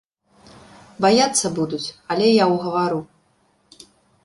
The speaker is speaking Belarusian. Баяцца будуць, але я ўгавару.